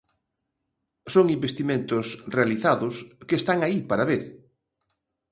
Son investimentos realizados que están aí para ver.